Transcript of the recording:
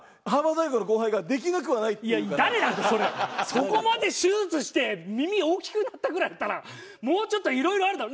そこまで手術して耳大きくなったぐらいだったらもうちょっといろいろあるだろ。